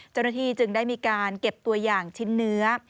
เจ้าหน้าที่จึงได้มีการเก็บตัวอย่างชิ้นเนื้อ